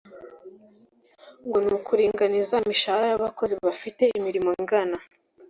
ngo ni ukuringaniza imishahara y’abakozi bafite imirimo ingana